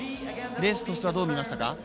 レースとしてはどう見ましたか？